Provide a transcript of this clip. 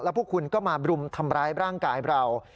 พวกคุณก็มาบรุมทำร้ายร่างกายเรา